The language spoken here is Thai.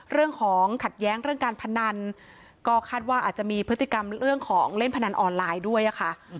เรื่องของขัดแย้งเรื่องการพนันก็คาดว่าอาจจะมีพฤติกรรมเรื่องของเล่นพนันออนไลน์ด้วยค่ะ